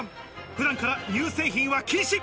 普段から乳製品は禁止。